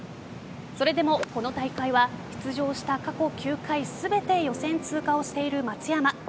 それでもこの大会は出場した過去９回全て予選通過をしている松山。